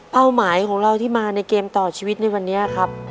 หมายของเราที่มาในเกมต่อชีวิตในวันนี้ครับ